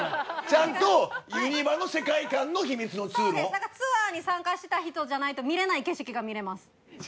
だからツアーに参加した人じゃないと見れない景色が見れます。